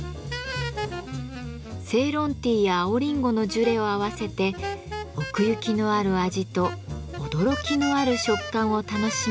セイロンティーや青りんごのジュレを合わせて奥行きのある味と驚きのある食感を楽しめるパフェに。